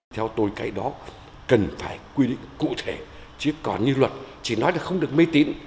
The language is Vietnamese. theo tôi cái đó cần phải quy định cụ thể chứ còn như luật chỉ nói là không được mê tín